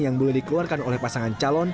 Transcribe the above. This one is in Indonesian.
yang boleh dikeluarkan oleh pasangan calon